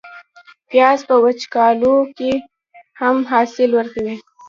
پیاز په وچکالو کې کم حاصل ورکوي